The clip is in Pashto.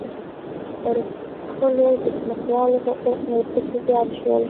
پر کلو د ځمکوالو حقوق نور پسې زیات شول